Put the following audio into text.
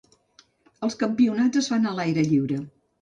Els campionats es fan a l'aire lliure.